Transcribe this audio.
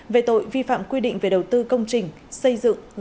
về tội vi phạm quy định về đầu tư công trình xây dựng gây hậu quả nghiêm trọng